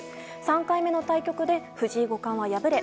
３回目の対局で藤井五冠は敗れ